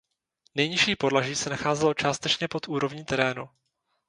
Nejnižší podlaží se nacházelo částečně pod úrovní terénu.